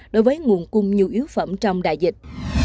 đối với nguồn cung nhu yếu phẩm trong đại dịch